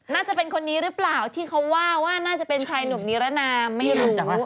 น่าจะเป็นคนนี้หรือเปล่าที่เขาว่าว่าน่าจะเป็นชายหนุ่มนิรนามไม่รู้